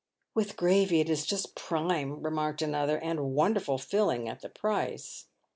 " With gravy it is just prime," remarked another, " and wonderful filling at the price."